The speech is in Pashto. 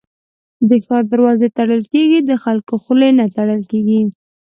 د ښار دروازې تړل کېږي ، د خلکو خولې نه تړل کېږي.